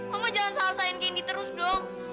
mama jangan selesain candy terus dong